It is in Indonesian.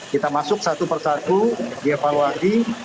kita masuk satu persatu dia evaluasi